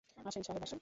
আসেন সাহেব আসেন!